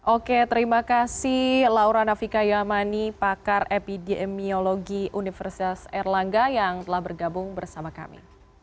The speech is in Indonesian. oke terima kasih laura nafika yamani pakar epidemiologi universitas erlangga yang telah bergabung bersama kami